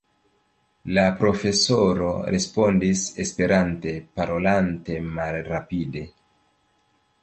La profesoro respondis Esperante, parolante malrapide: